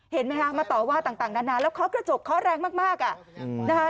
เห็นไหมคะมาต่อว่าต่างนานแล้วเคาะกระจกเคาะแรงมากอ่ะนะคะ